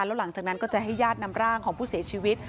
แล้วหลังจากนั้นก็จะให้ญาตินำร่างของผู้เสียชีวิต